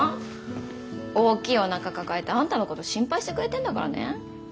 大きいおなか抱えてあんたのこと心配してくれてんだからね。